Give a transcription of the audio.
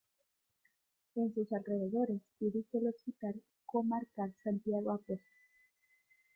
En sus alrededores se ubica el Hospital Comarcal Santiago Apóstol.